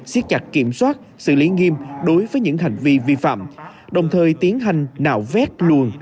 xiết chặt kiểm soát xử lý nghiêm đối với những hành vi vi phạm đồng thời tiến hành nạo vét luồng